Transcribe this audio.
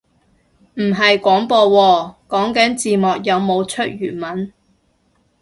唔係廣播喎，講緊字幕有冇出粵文